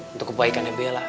untuk kebaikannya bella